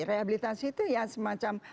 rehabilitasi itu semacam